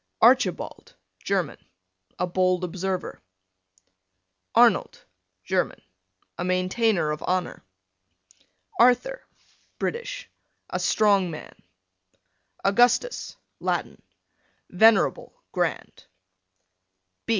Archibald, German, a bold observer. Arnold, German, a maintainer of honor. Arthur, British, a strong man. Augustus, Latin, venerable, grand.